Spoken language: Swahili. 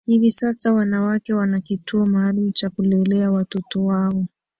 Hivi sasa wanawake wana kituo maalum cha kulelea watoto wao